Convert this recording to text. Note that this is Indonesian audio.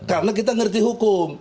karena kita mengerti hukum